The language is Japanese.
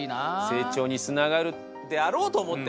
成長につながるであろうと思ってね！